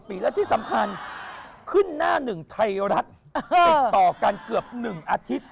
ปีและที่สำคัญขึ้นหน้าหนึ่งไทยรัฐติดต่อกันเกือบ๑อาทิตย์